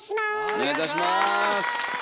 お願いいたします。